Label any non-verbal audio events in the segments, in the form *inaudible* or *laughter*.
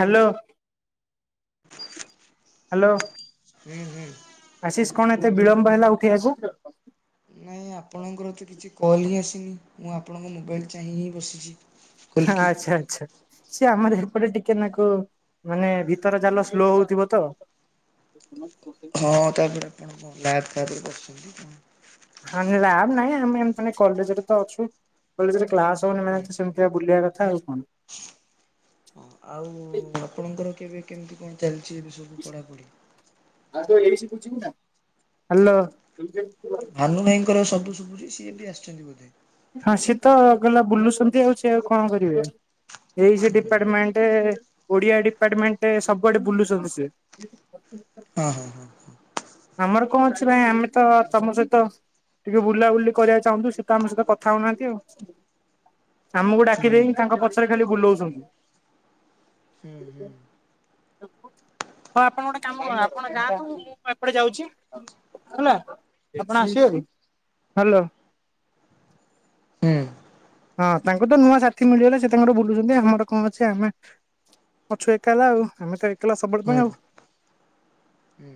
Hello hello. ହୁଁ ହୁଁ। ଆଶିଷ କଣ ଏତେ ବିଳମ୍ବ ହେଲା ଉଠେଇବାକୁ? ନାଇଁ ଆପଣଙ୍କର ତ କିଛି କଲ୍ ହିଁ ଆସିନି ମୁଁ ଆପଣଙ୍କ ମୋବାଇଲ ଚାହିଁ ହିଁ ବସିଛି। ଖୋଲିକି ଆଚ୍ଛା ଆଚ୍ଛା। ସେ ଆମର ହେପଟେ ଟିକେନାକୁ ମାନେ ଭିତର ଜାଲ ସ୍ଲୋ ହଉଥିବ ତ *unintelligible* ହଁ ତାପରେ ଆପଣ କଣ ଲ୍ୟାବ ଟାପରେ କରୁଛନ୍ତି କଣ? ହଁ ଲ୍ୟାବ ନାଇଁ ଆମେ ଏମ କଲେଜରେ ତ ଅଛୁ କଲେଜରେ କ୍ଲାସ ତ ହୁଁ ମ୍ୟାଚ୍ ହୁଁ। ସେମତି ବୁଲିବା କଥା ଆଉ କଣ? ହଁ ଆଉ ଆପଣଙ୍କର କେବେ କେମତି କଣ ଚାଲିଛି ଏବେ ସବୁ ପଢ଼ାପଢ଼ି? ହାଲୋ। କାହ୍ନୁ ଭାଇଙ୍କର ଶବ୍ଦ ଶୁଭୁଛି ସିଏ ବି ଆସିଛନ୍ତି ବୋଧେ? ହଁ ସିଏ ତ ଗଲା ବୁଲୁଛନ୍ତି ଆଉ ସେ ଆଉ କଣ କରିବେ ଏଇ ସେ ଡିପାର୍ଟମେଣ୍ଟ ଓଡିଆ ଡିପାର୍ଟମେଣ୍ଟ୍ ସବୁଆଡେ ବୁଲୁଚନ୍ତି ସେ। ଅ ହ। ଆମର କଁ ଅଛି ବା ଆମେ ତ ତମ ସହିତ ଟିକେ ବୁଲା ବୁଲା ବୁଲି କରିବାକୁ ଚାହୁଁଚୁ ସିଏ ତ ଆମ ସହିତ କଥା ହୋଉନାହାନ୍ତି ଆଉ। ଆମକୁ ଡାକି ହୁଁ। ଦେଇ ତାଙ୍କ ପଛରେ ଖାଲି ବୁଲଉଛନ୍ତି। ହୁଁ ହୁଁ ହଉ ଆପଣ ଗୋଟେ କାମ କର ଆପଣ ଗାଁକୁ ମୁଁ ମୁଁ ଏପଟେ ଯାଉଚି ହେଲା ଆପଣ ଆସିବେ ହ୍ୟାଲୋ। ହଁ ତାଙ୍କୁ ତ ନୂଆ ସାଥି ମିଳିଗଲା ସେ ତାଙ୍କର ବୁଲୁଚନ୍ତି ଆମର କଁ ଅଛି ଆମେ ଅଛୁ ଏକାଲା ହେଲା ଆଉ ଆମେ ତ ଏକାଲା ହୁଁ ସବୁବେଳେ ହୁଁ ପାଇଁ ଆଉ। ହୁଁ।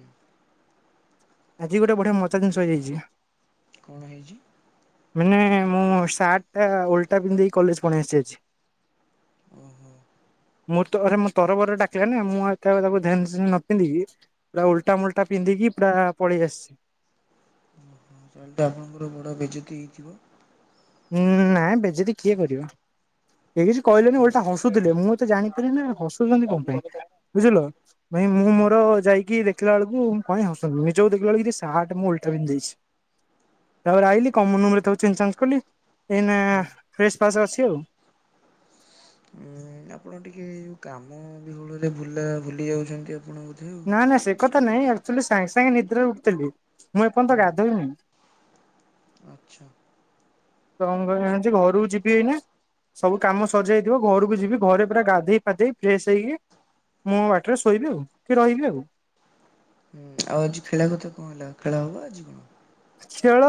ଆଜି ଗୋଟେ ବଢିଆ ମଜା ଜିନ୍ଷ ହେଇଯାଇଚି। କଣ ହେଇଚି? ମାନେ ମୁଁ ସାର୍ଟ୍ ଏ ଓଲଟା ପିନ୍ଧି ଦେଇକି କଲେଜ୍ ପୁଣି ଆସିଚି ଆଜି। ଓହୋ। ମୁଁ ତରେ ମୋ ତରବର ଡାକିଲାନି ମୁଁ ଏ ତାକୁ ଧ୍ୟାନ୍ ସେ ନ ପିନ୍ଧିକି ପୁରା ଉଲଟା ମୋଲ୍ଟା ପିନ୍ଧକି ପୁର ପଳେଆସିଛି। ଓହୋ। ତାହାଲେ ତ ଆପଣଙ୍କର ବଡ଼ ବେଜତି ହେଇଥିବ? ହୁଁ ନାଇଁ ବେଜେତୀ କିଏ କରିବ? କେହି କିଛି କହିଲେନି ଓଲଟା ହସୁଥିଲେ ମୁଁ ଏତେ ଜାଣିପାରିଲିନି ନା ହସୁଚନ୍ତି କଁ ପାଇଁ ବୁଝିଲ। ଭାଇ ମୁଁ ହୁଁ। ମୋର ଯାଇକି ଦେଖିଲା ବେଳକୁ କାଇଁ ହସୁଛନ୍ତି ନିଜକୁ ଦେଖିଲା ବେଳକୁ ସାଆଟ୍ ମୁଁ ଓଲଟା ପିନ୍ଧି ଦେଇଚି। ତାପରେ ଆଇିଲି କମନ୍ ରୁମୁରେ ତାକୁ ଚେଞ୍ଜ୍ ଚାଞ୍ଜ୍ କଲି। ଏଇନା ହୁଁ ଫ୍ରେଶ୍ ଫାସ୍ ଅଛି ଆଉ। ଉଁ ଆପଣ ଟିକେ କାମ ବିହୁଳ ରେ ଭୁଲା ଭୁଲି ଯାଉଛନ୍ତି ଆପଣ ଆଉ। ନା ନାଁ ସେ କଥା ନାଇଁ ଆକ୍ଚୁଆଲି ସାଙ୍ଗେ ସାଙ୍ଗେ ନିଦରେ ଉଠଥିଲି ମୁଁ ହୁଁ ଏପଯ୍ୟନ୍ତ ଗାଧୋଇନି। ଆଚ୍ଛା। ତଁ କଇଁ ଆଜି ଘରକୁ ଯିବି ଏଇନା। ସବୁ କାମ ସରିଯାଇଥିବ ଘରକୁ ଯିବି ଘରେ ପୁରା ଗାଧେଇ ପାଧେଇ ଫ୍ରେଶ ହେଇକି ମୁଁ ବାଟରେ ଶୋଇବି ଆଉ କି ରହିବି ଆଉ। ହୁଁ ଆଉ ଆଜି ଖେଳ କଥା କଁ ହେଲା ଖେଳ ହବ ଆଜି କଣ? ଖେଳ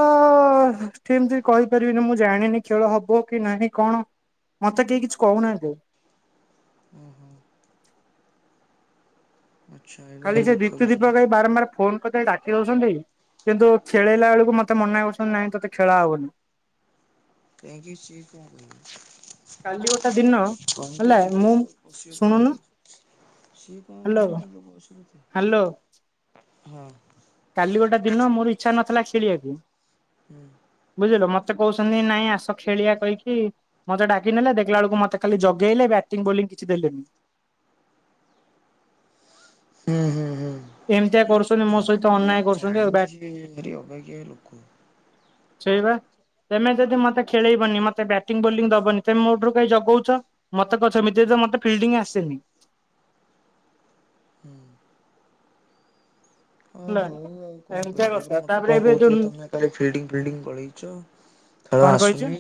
କେମତି କହିପାରିବିନି ମୁଁ ଜାଣିନି ଖେଳ ହବ କି ନାହିଁ କଣ? ମତେ କେହି କିଛି କୋହୁନାହାନ୍ତି? ଉଁ ହୁଁ। ଆଚ୍ଛା ଏ ଖାଲି ଭାରି ସେ ଦୁଃଖ ଦୀପ୍ତି ବିଷୟ ଦୀପକ ଭାଇ ବାରମ୍ବାର ଫୋନ କରି ଦେଇ ଡା କି ଦୋଉଛନ୍ତି କିନ୍ତୁ ଖେଳେଇଲା ବେଳୁକୁ ମତେ ମନା କରୁଛନ୍ତି ନାଇଁ ତୋତେ ଖେଳା ହବନି। କାଇଁକି ସିଏ କଣ କି? କାଲି ଗୋଟେ ଦିନ ତମେ ତ ହେଲା ଯିବ ମୁଁ ପଶିବ ଶୁଣୁନୁ ପଡିଆରେ। ସିଏ କଁ ହ୍ୟାଲୋ କହିବ ତାଙ୍କ ବୟଷ ହ୍ୟାଲୋ କେତେ। କାଲି ଗୋଟେ ଦିନ ମୋର ଇଚ୍ଛା ନଥିଲା ଖେଳିବାକୁ। ହୁଁ। ବୁଝିଲ ମତେ କହୁଛନ୍ତି ନାଇଁ ଆସ ଖେଳିଆ କହିକି ମତେ ଡାକିନେଲେ ଦେଖିଲା ବେଳକୁ ମୋତେ ଖାଲି ଜଗେଇଲେ ବ୍ୟାଟିଂ ବୋଲିଂ କିଛି ଦେଲେନି। ହୁଁ ହୁଁ ହୁଁ। ଏମିତିଆ ନାଇ କରୁଛନ୍ତି ମୋ ସହିତ ତାଙ୍କୁ ଅନ୍ୟାୟ ମୁଁ କରୁଛନ୍ତି ଆଉ ବ୍ୟାଟ ଜାଣିଛି ସିଏ ଭାରି ଅବାଗିଆ ଲୋକ। ସେିଇବା ତେମେ ଯଦି ମତେ ଖେଳେଇବନି ମତେ ବ୍ୟାଟିଂ ବୋଲିଂ ଦବନି ତେମେ ମୋ ଠୁ କାଇଁ ଜଗୋଉଛ। ମତେ କଛମିତିତ ମତେ ଫିଲ୍ଡିଂ ଆସେନି। ହୁଁ। ହଁ ନା। ହଉ ଆଉ କଣ କହିବା ତାପରେ ମତେ କଣ କହୁଥିଲେ ତମେ କାଲି ଫିଲ୍ଡିଙ୍ଗ ଫିଲ୍ଡିଙ୍ଗ ଗଳେଇଛ ଖେଳ କଣ କହିଛି ଆସୁନି।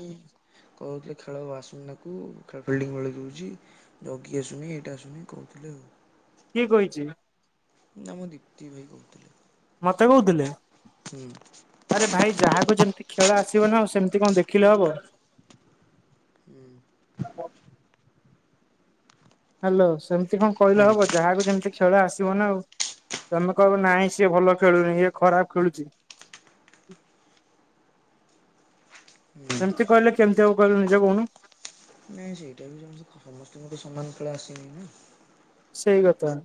କହୁଥିଲେ ଖେଳ ଆଉ ଆସୁନି ତାକୁ ଖାଲି ଫିଲ୍ଡିଙ୍ଗ ଗଳେଇ ଦଉଛି। ଜଗି ଆସୁନି ଏଇଟା ଆସୁନି କହୁଥିଲେ ଆଉ। କିଏ କହିଛି? ନା ମୁଁ ଦୀପ୍ତି ଭାଇ କହୁଥିଲେ। ମତେ କହୁଥିଲେ? ହୁଁ। ଆରେ ଭାଇ ଯାହାକୁ ଯେମିତି ଖେଳ ଆସିବ ନା ସେମିତି କଣ ଦେଖିଲେ ହବ। ହୁଁ। ହ୍ୟାଲୋ ସେମିତି କଣ କହିଲେ ହବ ହୁଁ ଯାହାକୁ ଯେମିତି ଖେଳ ଆସିବ ନା ଆଉ ତମେ କହିବ ନାଇଁ ସିଏ ଭଲ ଖେଳୁନି ଇଏ ଖରାପ ଖେଳୁଛି। ଏମିତି କହିଲେ କେମିତି ହବ କହିଲୁ ନିଜେ କହୁନୁ। ନାଇଁ ସେଇଟା ବି ଜଣକୁ ସମସ୍ତଙ୍କୁ ତ ସମାନ ଖେଳେ ଆସିନି ନା। ସେଇ କଥା।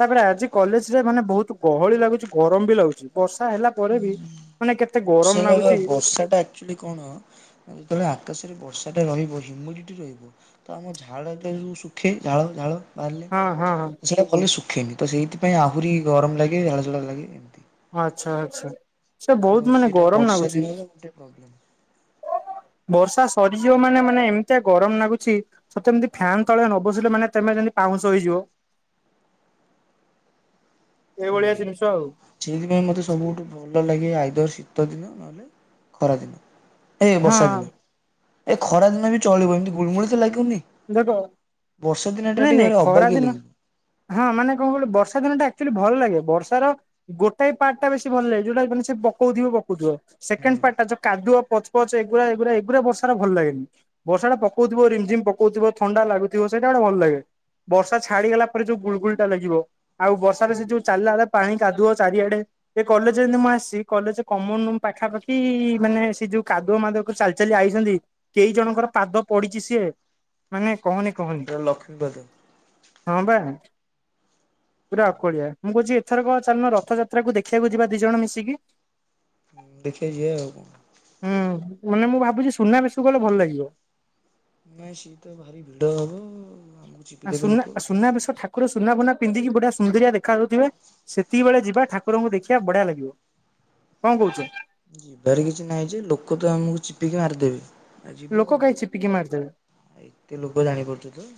ତାପରେ ଆଜି କଲେଜ ରେ ମାନେ ବହୁତ ଗହଳି ଲାଗୁଛି ଗରମ ବି ଲାଗୁଛି ବର୍ଷା ହେଲା ପରେ ବି ମାନେ କେତେ ଗରମ ବର୍ଷା କାଳିଆ ଲାଗୁଛି ବର୍ଷା ଟା ଆକ୍ଚୁଲି କଣ ଯେତେବେଳେ ଆକାଶରେ ବର୍ଷାଟା ରହିବ ହ୍ୟୁମିଡିଟି ରହିବ। ତ ଆମ ଝାଳା ଟା ଯୋଉ ଶୁଖେ ଝାଳ ଝାଳ। ବାହାରିଲେ ହଁ ହଁ ହଁ ସେଇଟା ଭଲରେ ଶୁଖେନି ତ ସେଇଥିପାଇଁ ଆହୁରି ଗରମ ଲାଗେ ଝାଳ ଝାଳ ଲାଗେ ଏମିତି। ଆଚ୍ଛା ଆଚ୍ଛା ସେ ତ ବହୁତ ମାନେ ସେଇଟା ଗରମ ବର୍ଷା ଲାଗୁଛି। ଦିନରେ ଗୋଟେ ପ୍ରୋବ୍ଲେମ। ବର୍ଷା ସରିଯିବ ମାନେ ମାନେ ଏମିତିଆ ଗରମ ଲାଗୁଛି ସତେ ଯେମିତି ଫ୍ୟାନ ତଳେ ନ ବସିଲେ ମାନେ ତେମେ ଯେମିତି ପାଉଁଶ ହେଇଯିବ। ହୁଁ ଏଇଭଳିଆ ଜିନିଷ ଆଉ। ସେଇଥିପାଇଁ ମୋତେ ସବୁଠୁ ଭଲ ଲାଗେ ଆଇଦର ଶୀତ ଦିନ ନହେଲେ ଖରା ଦିନ। ଏ ହଁ ବର୍ଷା ଦିନ ଏ ଖରା ଦିନ ବି ଚଳିବ ଏମିତି ଗୁଳମୁଳି ତ ଲାଗିବନି। ଦେଖ ବର୍ଷା ଦିନ ଟା ନାଇଁ ଟିକେ ନାଇଁ ଭାରି ଖରା ଅବାଗିଆ ଦିନ ଲାଗି ହଁ ମାନେ କଣ କହିଲ ବର୍ଷା ଦିନ ଟା ଆକ୍ଚୁଆଲି ଭଲ ଲାଗେ ବର୍ଷା ର ଗୋଟାଏ ପାର୍ଟ ଟା ବେଶୀ ଭଲ ଲାଗେ ଯୋଉଟା ମାନେ ସେ ପକଉଥିବ ପକଉଥିବ। ସେକେଣ୍ଡ ପାର୍ଟ ଯୋ କାଦୁଅ ପଚ ପଚ ଏଗୁରା ଏଗୁରା ଏଗୁୁରା ବର୍ଷାରେ ଭଲ ଲାଗେନି। ବର୍ଷା ଟା ପକଉଥିବ ରିମ୍ ଝିମ୍ ପକଉଥିବ ଥଣ୍ଡା ଲାଗୁଥିବ ସେଇଟା ଗୋଟେ ଭଲ ଲାଗେ। ବର୍ଷା ଛାଡିଗଲା ପରେ ଯୋଉ ଗୁଳ ଗୁଳି ଟା ଲାଗିବ ଆଉ ବର୍ଷାରେ ସେ ଯୋଉ ଚାଲିଲା ବେଳେ ପାଣି କାଦୁଅ ଚାରିଆଡେ ଏ କଲେଜ ଯେମତି ମୁଁ ଆସି କଲେଜ କମନ ରୁମ୍ ପାଖାପାଖି ମାନେ ସେ ଯୋଉ କାଦୁଅ ମାଦଅ କରି ଚାଲି ଚାଲି ଆଇଛନ୍ତି କେଇ ଜଣଙ୍କର ପାଦ ପଡିଛି ସିଏ ମାନେ କହନି କହନି ପୁରା ଲକ୍ଷ୍ମୀପାଦ। ହଁ ବା। ପୁରା ଅକଳିଆ ମୁଁ କହୁଛି ଏଥର କ ଚାଲୁନ ରଥଯାତ୍ରାକୁ ଦେଖିବାକୁ ଯିବା ଦି ଜଣ ମିଶିକି। ଦେଖିବାକୁ ଯିବା ଆଉ କଣ। ହୁଁ ମାନେ ମୁଁ ଭାବୁଛି ସୁନା ବେଶକୁ ଗଲେ ଭଲ ଲାଗିବ। ନାଇଁ ସିଏ ତ ଭାରି ଭିଡ ହବ ଆମକୁ ଚିପିଦେବେ ସୁନା ଲୋକ। ସୁନାବେଶ ଠାକୁର ସୁନାଫୁନା ପିନ୍ଧିକି ବଢିଆ ସୁନ୍ଦରିଆ ଦେଖା ଦେଖାଯାଉଥିବେ। ସେତିକି ବେଳେ ଯିବା ଠାକୁରଙ୍କୁ ଦେଖିବା ବଢିଆ ଲାଗିବ କଣ କହୁଛ? ଯିବାରେ କିଛି ନାହିଁ ଯେ ଲୋକ ତ ଆମକୁ ଚିପିକି ମାରିଦେବେ ଆଉ ଯିବ ଲୋକ କଣ। କାହିଁ ଚିପିକି ମାରିଦେବେ। ଆ ଏତେ ଲୋକ ଜାଣିପାରୁଛ ତ।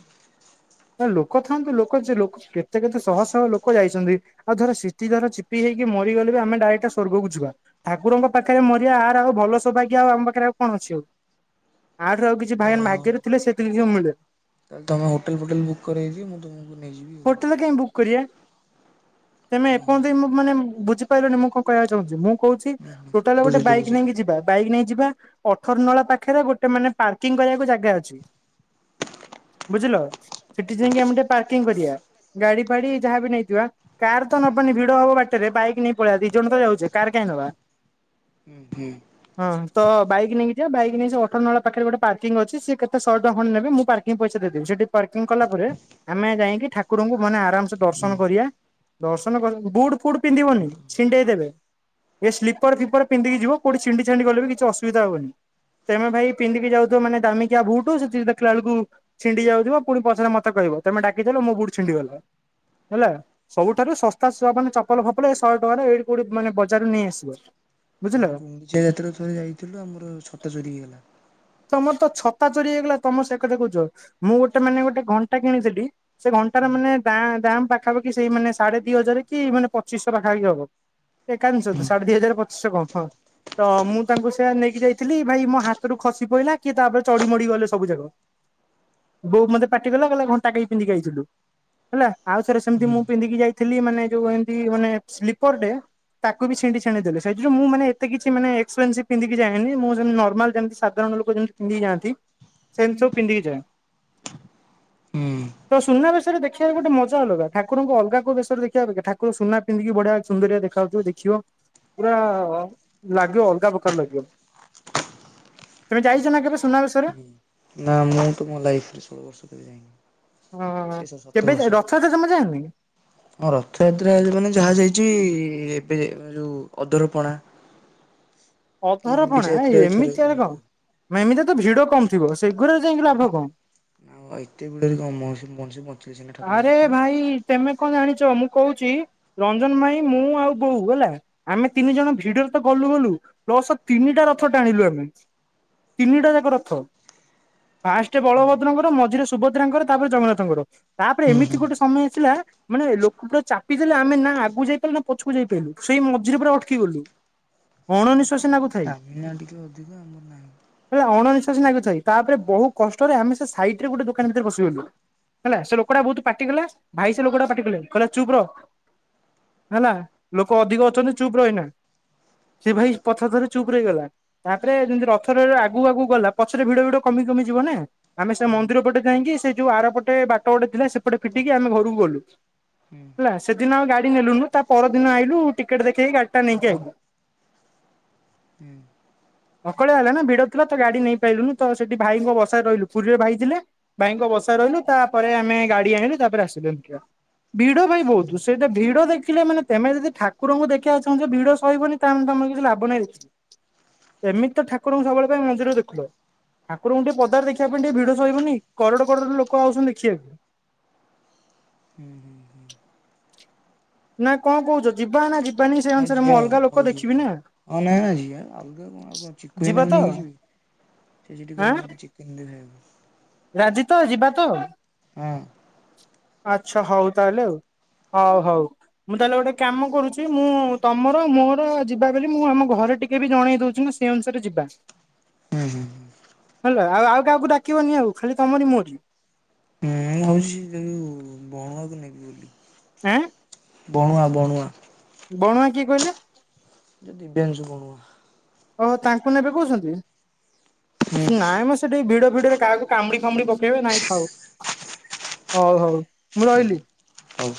ନା ଲୋକ ଥାଆନ୍ତୁ ଲୋକ ଯେ କେତେ କେତେ ଶହ ଶହ ଲୋକ ଯାଇ ଆଉ ଧର ସିଟି ଧର ଚିପି ହେଇକି ମରିଗଲେ ବି ଆମେ ଡାଇରେକ୍ଟ ସ୍ୱର୍ଗ କୁ ଯିବା। ଠାକୁରଙ୍କ ପାଖରେ ମରିିବା ଆର ଆଉ ଭଲ ସୌଭାଗ୍ୟ ଆଉ ଆମ ପାଖରେ ଆଉ କଣ ଅଛି ଆଉ ଆଠାରୁ ଆଉ କି ଭାଇ ଆମ ଓହୋ ଭାଗ୍ୟ ରେ ଥିଲେ ସେତିକି *unintelligible* ମିଳେ। ତାହେଲେ ତମେ ହୋଟଲ ଫୋଟେଲ ବୁକ୍ କର ଆଜି ମୁଁ ତମକୁ ନେଇଯିବି ଆଉ। ହୋଟେଲ ତ କାହିଁ ବୁକ୍ କରିବା? ତମେ ଓହୋ ଏପଯ୍ୟନ୍ତ ମୁଁ ମାନେ ବୁଝିପାରିଲନି ମୁଁ କଣ କହିବାକୁ ଚାହୁଁଛି ମୁଁ କହୁଛି? ହୁଁ ହୁଁ ଟୋଟାଲ ଗୋଟେ ବୁଝିଲି ବାଇକ୍ ବୁଝିଲି ନେଇକି ଯିବା। ବାଇକ୍ ନେଇଯିବା ଅଠର ନଳା ପାଖରେ ଗୋଟେ ମାନେ ପାର୍କିଂ କରିବାକୁ ଜାଗା ଅଛି? ବୁଝିଲ ସେଠି ଯାଇକି ଆମେ ଟିକେ ପାର୍କିଂ କରିବା ଗାଡି ଫାଡି ଯାହାବ ନେଇଥିବା। କାର ତ ନବନି ଭିଡ ହବ ବାଟରେ ବାଇକ୍ ନେଇ ପଳେଇବା ଦି ଜଣ ତ ଯାଉଛେ କାର କାଇହିଁ ନବା? ହୁଁ ହୁଁ। ହଁ ତ ବାଇକ୍ ନେଇକି ଯିବା ବାଇକ ନେଇକ ସେ ଅଠର ନଳା ପାଖରେ ଗୋଟେ ପାର୍କିଂ ଅଛି ସେ କେତେ ଶହ ଟଙ୍କା ଖଣ ନେବେ ମୁଁ ପାର୍କିଂ ପଇସା ଦେଇଦେବି ସେଠି ପାର୍କିଂ କଲା ପରେ ଆମେ ଯାଇକି ଠାକୁରଙ୍କୁ ମାନେ ଆରାମସେ ହୁଁ। ଦର୍ଶନ କରିବା। ଦର୍ଶନ କର ବୁଟ ଫୁଡ ପିନ୍ଧିବନି ଛିଣ୍ଡେଇ ଦେେବେ। ଏ ସ୍ଲିପର ଫିପର ପିନ୍ଧିକି ଯିବୋଉଠିଛିଣ୍ଡିଛାଡି ଗଲେ କିଛିସୁବିଧା ହବନି। ତମେ ଭାଇ ପିନ୍ଧିକି ଯାଉଥିବ ମାନେ ଦାମିକିଆ ବୁଟୁ ସେ ଦେଖିଲା ବେଳକୁ ଛିଣ୍ଡି ଯାଉଥିବ। ପୁଣି ପସରେ ମତେ କହିବ ତମେ ଡାକିଦଲ ମୋ ବୁଟୁ ଛିଣ୍ଡିଗଲ ହେଲା। ସବୁଠାରୁ ଶସ୍ତା ମାନେ ଚପଲ ଫପଲ ଏ ଶହେ ଟଙ୍କାରେ ଏଇଠି କୋଉଠି ମେ ବଜାରରୁ ନେଇ ଆସିବ। ବୁଝିଲ। ଆମେ ଗୁଙ୍ଗଡିଚିଆ ଯାତ୍ରା ଥରେ ଯାଇଥିଲୁ ଆମର ଛତା ଚୋରି ହେଇଗଲା। ତମର ତ ଛତା ଚୋରି ହେଇଗଲା ତମ ସେ କଥା କହୁଛ ମୁଁ ଗୋଟେ ମାନେ ଗୋଟେ ଘଣ୍ଟା କିଣିଥିଲି। ସେ ଘଣ୍ଟାରେ ହୁଁ ମାନେ ଦାାମ ପାଖାପାଖି ସେଇ ମାନେ। ସାଢେ ଦି ହଜାର କି ମାନେ ପଚିଶହ ପାଖାପଖି ହବ। ଏକା ହୁଁ ଜିନିଷ ସାଢେ ଦି ହଜାର ପଚଶହ କ ହଁ। ତ ମୁଁ ତାଙ୍କୁ ସେଆ ନେଇକି ଯାଇଥିଲି ଭାଇ ମୋ ହାତରୁ। ଖସି ପଡିଲା କିଏ ତାପରେ ଚଢ ମଡି ଗଲେ ସବୁ ଜାଗା। ବୋଉ ମତେ ପାଟି ଗଲାଲା ଘଣ୍ଟାାଇ ପିନ୍ଧି ଖାଇଥିଲୁ। ହେଲା ଆଉ ସେରେ ସେମିତି ହୁଁ ମୁଁ ପିନ୍ଧିକି ଯାଇଥିଲି ମାନେ ଯୋଉ ଏମିତି ମାନେ ସ୍ଲିପର ତାକୁ ବି ଛିଣ୍ଡି ଛିଡି ଦେଲେ ସେ ମୁ ମାନେ ଏତେ କିଛି ଏକ୍ସେ ପିଧିକି ଯଏନି ମୁଁ ସେମିତି ନର୍ମାଲ ମାନେ ସାଧା ସିଧା ସାଧାରଣ ଲୋକ ଯେମିତି ପିନ୍ଧିକି ଯଆନ୍ତି ସେମିତିବୁ ପିନ୍ଧିକି ଯାଏ। ହୁଁ। ତ ସୁନା ବେଶରେ ଦେଖିବାକୁ ଗୋଟେ ମଜା ଅଲଗା ଠାକୁଙ୍କୁ ଅଲଗା କ ବରେ ଦେଖିବା ଠାର ସୁନା ବଢିଆ ସୁନ୍ଦର ଦେଖାାଯାଉଥିବ ଦେଖିବ ପୁରା ଲାଗିବ ଅଲଗା ପ୍ରକାର ଲାଗିବ। ତୁମେ ଯାଇଛ ନା କେବେ ସୁନା ବିଷୟରେ ହୁଁ। ନା ମୁଁ ତ ମୋ ଲାଇଫ ରେ ଷୋହଳ ବର୍ଷ ଯାଇନି। ହଁ ଏ ସରି ସତର କେବେ ବର୍ଷ। ରଥ ଜମା ଯାଏନି? ହଁ ରଥଯାତ୍ରା ମାନେ ଯାହା ଯାଇଛି ଏବେ ଯୋଉ ଅଦରପଣା। ଅଧର ଫଣା ଯାତ୍ରାରେ ଥରେ ଏମିତି ଆରେ କଣ? ଆଉ। ମ ଏମିତି ତ ଭିଡ କମ ଥିବ ସେଗୁଡରେ ଯାଇକି ଲାଭ କଣ? *unintelligible* ଠାକୁରଙ୍କୁ ଆରେ ଦେଖିବ। ଭାଇ ତମେ କଣ ଜାଣିଛ ମୁଁ କହୁଛି ରଞ୍ଜନ ଭାଇ ମୁଁ ଆଉ ବୋଉ ହେଲା। ଆମେ ତିନି ଜଣ ଭିଡରେ ତ ଗଲୁ ଗଲୁ ପ୍ଲସ ତିନିଟା ରଥ ଟାଣିଲୁ ଆମେ। ତିନିଟା ଯାକ ରଥ। ପାାଷ୍ଟରେ ବଳଭଦ୍ରଙ୍କର ମଝିରେ ସୁଭଦ୍ରାଙ୍କର ତାପରେ ଜଗନ୍ନାଥଙ୍କର ତାପରେ ହୁଁ ଏମିତି ହୁଁ। ଗୋଟେ ସମୟ ଆସିଲା ମାନେ ଲୋକ ତୋ ଚାପି ଦେଲେ ଆମେ ନା ଆଗକୁ ଯାଇପାରିଲୁ ନା ପଛକୁ ଯାଇପାରିଲୁ ସେଇ ମଝିରେ ପୁରା ଅଟକି ଗଲୁ। *inaudible* ଅଣନିଶ୍ୱାସୀ ଲାଗୁଥାଏ *inaudible* ହେଲେ ଅଣନିଶ୍ୱାସ ଲାଗୁଥାଇ। ତାପରେ ବହୁ କଷ୍ଟରେ ଆମେ ସେ ସାଇଟ୍ ରେ ଗୋଟେ ଦୋକାନ ଭିତରେ ବସିିଗଲୁ। ହେଲା ସେ ଲୋକଟା ବହୁତ ପାଟିଗଲା ଭାଇ ସେ ଲୋକଟା କୁ ପାଟି କଲେ। କହିଲେ ଚୁପ୍ ରୁହ। ହେଲା ଲୋକ ଅଧିକ ଅଛନ୍ତି ଚୁପ୍ ରହ ଏଇନା। ସେ ଭାଇ ପଥଥର ଚୁପ୍ ରହିଗଲା। ତାପରେ ଯେମିତି ରଥରେ ଆଗକୁ ଆଗକୁ ଗଲା ପଛରେ ଭିଡ ଭିଡ କମି କମିଯିବ ନା। ଆମେ ସେ ହୁଁ ମନ୍ଦିର ପଟେ ଯାଇକି ସେ ଯୋଉ ଆରପଟେ ବାଟ ଗୋଟେ ଥିଲା ସେପଟେ ଫିଟିକି ଆମେ ଘରକୁ ଗଲୁ। ହୁଁ ହେଲା ସେଦିନ ଆଉ ଗାଡି ନେଲୁନୁ। ତା ପରଦିନ ଆଇଲୁ ଟିକେଟ୍ ଦେଖେଇକି ଗାଡି ଟା ନେଇକି ଆଇଲୁ। *inaudible* *unintelligible* ସକାଳିଆ ହେଲା ନା ଭିଡ ଥିଲା ତ ଗାଡି ନେଇ ପାଇଲୁନୁ ତ ସେଠି ଭାଇଙ୍କ ବସାରେ ରହିଲୁ ପୁରୀରେ ଭାଇ ଥିଲେ ଭାଇଙ୍କ ବସାରେ ରହିଲୁ ତାପରେ ଆମେ ଗାଡି ଆଣିଲୁ ତାପରେ ଆସିଲୁ। ଭିଡ ଭାଇ ବୋହୁତ୍ ସେଇଟା ଭିଡ ଦେଖିଲେ ମାନେ ତମେ ଯଦି ଠାକୁରଙ୍କୁ ଦେଖିବାକୁ ଚାହୁଁଛ ଭିଡ ସହିବନି ତା ତମର କିଛି ଲାଭ ନାଇ। ଏମିତି ତ ଠାକୁରଙ୍କୁ ସବୁବେଳେ ପାଇଁ ମନ୍ଦିରକୁ ଦେଖୁଛ ଠାକୁରଙ୍କୁ ଟିକେ ପଦାର ଦେଖିବା ପାଇଁ ଟିକେ ଭିଡ ସହିବନି କରଡ କରଡ ଲୋକ ଆଉଛନ୍ତି ଦେଖିବାକୁ। ହୁଁ ଉଁ। ନା କଣ କହୁଛ ଯିବା ନା ଯିବା । ଯିବା ତ? *unintelligible* ସେ ସେଠି ଆଁ କହିବ ମୋତେ ଚିକେନ୍ ଦିଅ ଖାଇବାକୁ। ରାଜି ତୋ ଯିବା ତ? ହଁ। ଆଚ୍ଛା ହଉ ତାହେଲେ। ହୋଉ ହୋଉ ମୁଁ ତାହେଲେ ଗୋଟେ କାମ କରୁଛି। ମୁଁ ତମର ମୋର ଯିବା ବୋଲି ମୁଁ ଆମ ଘରେ ଟିକେ ବି ଜଣେଇ ଦଉଛିି ନା ସେ ଅନୁସାରେ ଯିବା। ହୁଁ ହୁଁ। ହେଲା ଆଉ ଆଉ କାହାକୁ ଡାକିବନି ଆଉ ଖାଲି ତମରି ମୋରି ମୁଁ ଭାବୁଛି ଯୋଉ ବଣକୁ ନେବି ବୋଲି ଆ ବଣୁଆ ବୁଣୁଆ ବଣୁଆ କିଏ କହିଲ? ଯଦି ବେଞ୍ଚ ବଣୁଆ। ଓହୋ ତାଙ୍କୁ ନେବେ କହୁଛନ୍ତି? ହୁଁ ନାଇଁ ମ ସେଠି ଭିଡ ଭିଡରେ କାହାକୁ କାମୁଡି ଫାମୁଡି ପକେଇବେ ନାଇଁ ଥାଉ। ହୋଉ ହୋଉ ମୁଁ ରହିଲି। ହଉ।